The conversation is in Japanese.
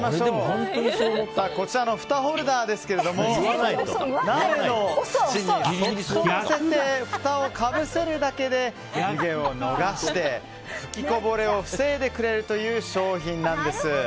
こちらの蓋ホルダーですが鍋の縁にそっと載せてふたをかぶせるだけで湯気を逃して噴きこぼれを防いでくれるという商品なんです。